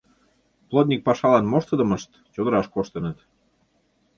Плотник пашалан моштыдымышт чодыраш коштыныт.